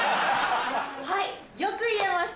はいよく言えました。